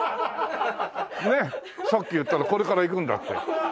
ねっさっき言ったらこれから行くんだって。